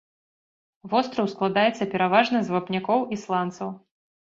Востраў складаецца пераважна з вапнякоў і сланцаў.